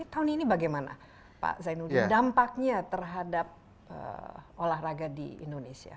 tahun ini bagaimana pak zainuddin dampaknya terhadap olahraga di indonesia